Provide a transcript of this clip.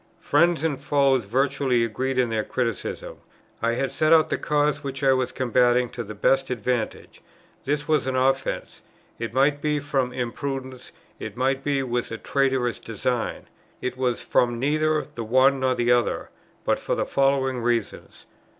Friends and foes virtually agreed in their criticism; I had set out the cause which I was combating to the best advantage: this was an offence; it might be from imprudence, it might be with a traitorous design. It was from neither the one nor the other; but for the following reasons.